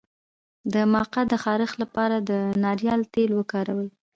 د مقعد د خارش لپاره د ناریل تېل وکاروئ